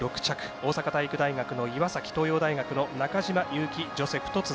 大阪体育大学の岩崎東洋大学の中島佑気ジョセフ。